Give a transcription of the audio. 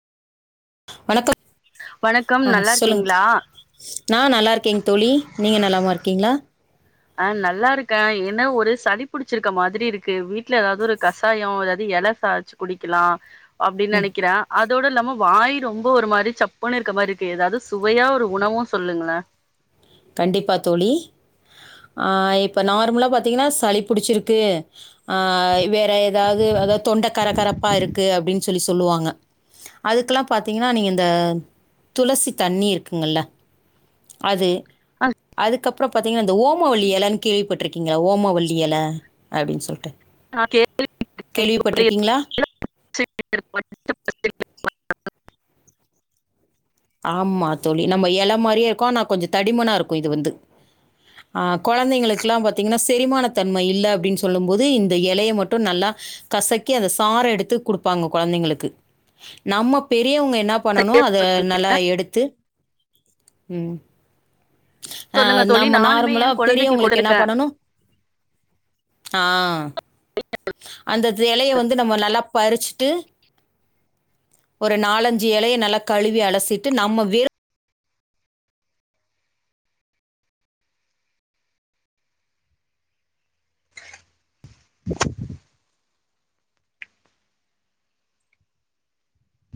வணக்கம் வணக்கம் ஆ நல்லா சொல்லுங் தோ இருக்கீங்களா? நா நல்லாருக்கங் தோழி நீங்க நலமாருக்கீங்ளா அ நல்லாருக்க என்னா ஒரு சளி புடிச்சிருக்க மாதிரிருக்கு வீட்ல ஏதாவது ஒரு கஷாய ஏதாது எல சாச்சு குடிக்லா அப்டின் நினைக்ற அ தோட இல்லாம வாய் ரொம்ப ஒரு மாரி சப்புன்னு இருக்க மாரிருக்கு ஏதாவது சுவையா ஒரு உணவு சொல்லுங்களா [inaudible] கண்டிப்பா தோழி ஆ இப்ப நார்மலா பாத்தீங்னா சளி புடிச்சிருக்கு அ வேற எதாவது அதா தொண்ட கரகரப்பா இருக்கு அப்டின் சொல்லி சொல்லுவாங்க அதுக்குலா பாத்தீங்னா நீங்க இந்த துளசி தண்ணி இருக்குங்கல்ல அது அ அதுக்கப்புறம் பாத்தீங்கன்னா இந்த ஓமவல்லி இலன்னு கேள்விப்பட்ருக்கீங்களா ஓமவல்லி இல அப்டின்னு சொல்ட்டு [unintelligible] ஆமா தோழி நம்ம இல மாரியே இருக்கோ நா கொஞ்ச தடிமனா இருக்கு இது வந்து ஆ கொழந்தைங்களுக்கெல்லா பாத்தீங்கன்னா செரிமான தன்மை இல்ல அப்டின்னு சொல்லு போது இந்த இலைய மட்டும் நல்லா கசக்கி அந்த சார எடுத்து குடுப்பாங்க குழந்தைங்களுக்கு நம்ம பெர் ரியவுங்க என்னா பண்ணனு அத நல்லா எடுத்து ம் அ சொல்லுங்க தோழி நம்ம நானுமே நார்மலா என் குழந்தைக்கு பெரியவங்களுக்கு என்னா கொடுத்திருக்கேன். பண்ணணு ஆ அந்த இலைய வந்து நம்ம நல்லா பறிச்சுட்டு ஒரு நாலஞ்சு எலைய நல்ல கழுவி அலசிட்டு நாம்ம வெறு